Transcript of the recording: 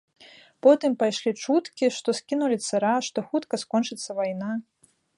Потым пайшлі чуткі, што скінулі цара, што хутка скончыцца вайна.